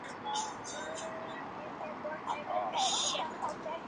Están ubicados en Auburn, California.